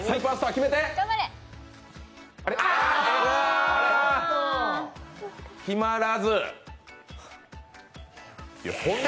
決まらず。